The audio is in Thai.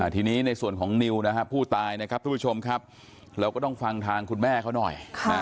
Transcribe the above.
ทุกผู้ชมเราต้องฟังข่าวทางคุณแม่เขาหน่อย